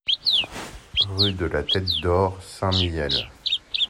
Rue de la Tête d'Or, Saint-Mihiel